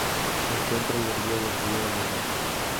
Se encuentra a la orilla del río Nene.